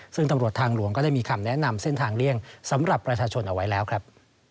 ซึ่งตำรวจทางหลวงก็ได้มีคำแนะนำเส้นทางเลี่ยงสำหรับประชาชนเอาไว้แล้วครับ